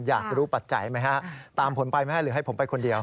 อยากรู้ปัจจัยไหมฮะตามผลไปไหมหรือให้ผมไปคนเดียว